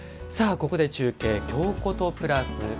ここで中継「京コトプラス」。